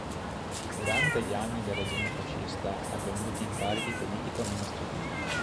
Durante gli anni del regime fascista ebbe molti incarichi politico-amministrativi.